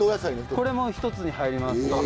これも一つに入ります。